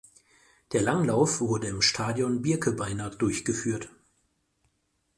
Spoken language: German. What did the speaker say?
Der Langlauf wurde im Stadion Birkebeiner durchgeführt.